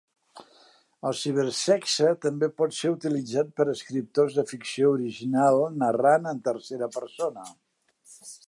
El cibersexe també pot ser utilitzat per escriptors de ficció original narrant en tercera persona.